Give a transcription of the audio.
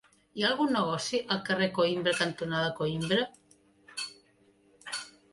Hi ha algun negoci al carrer Coïmbra cantonada Coïmbra?